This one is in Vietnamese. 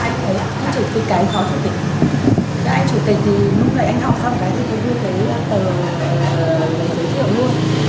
vậy anh chủ tịch thì lúc này anh học xong cái gì tôi đưa tờ giấy thiệu luôn